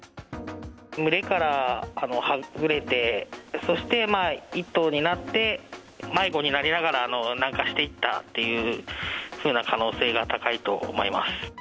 群れからはぐれて、そして１頭になって、迷子になりながら、南下していったっていうふうな可能性が高いと思います。